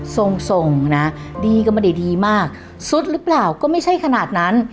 ส่งส่งนะดีก็ไม่ได้ดีมากสุดหรือเปล่าก็ไม่ใช่ขนาดนั้น